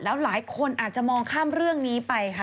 แล้วหลายคนอาจจะมองข้ามเรื่องนี้ไปค่ะ